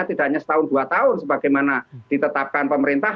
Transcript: tidak hanya setahun dua tahun sebagaimana ditetapkan pemerintah